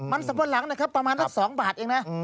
มันสะพะหลังประมาณแค่๒บาทเองนะ